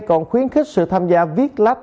còn khuyến khích sự tham gia viết lách